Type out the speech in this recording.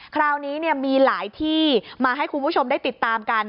คราวนี้มีหลายที่มาให้คุณผู้ชมได้ติดตามกัน